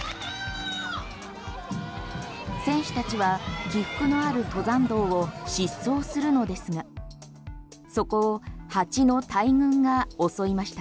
選手たちは起伏のある登山道を疾走するのですがそこを蜂の大軍が襲いました。